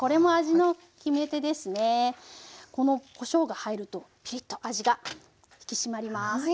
このこしょうが入るとピリッと味が引き締まります。